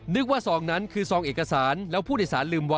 นึกว่าซองนั้นคือซองเอกสารแล้วผู้โดยสารลืมไว้